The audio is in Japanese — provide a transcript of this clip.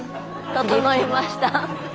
整いました。